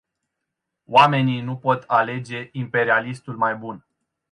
Oamenii nu pot alege "imperialistul mai bun”.